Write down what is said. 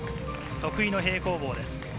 得意の平行棒です。